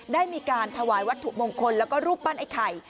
ได้มีการถวายวัตถุมงคลแล้วก็รูปปั้นไอ้ไข่